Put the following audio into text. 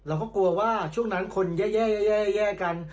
เราก็กลัวว่าช่วงนั้นคนแย่กัน